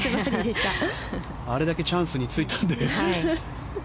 あれだけチャンスについたので。